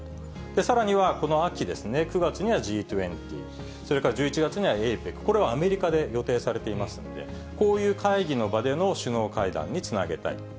さらには、この秋ですね、９月にはＧ２０、それから１１月にはＡＰＥＣ、これはアメリカで予定されていますんで、こういう会議の場での首脳会談につなげたい。